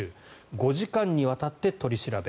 ５時間にわたって取り調べ。